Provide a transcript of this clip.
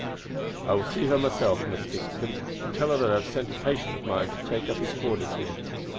"I will see her myself, Miss Kingston, and tell her that I have sent a patient of mine to take up his quarters here.